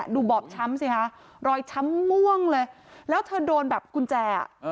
ดูบอบช้ำรอยช้ำม่วงเลยแล้วเธอโดนแบบกุญแจ